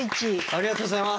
ありがとうございます。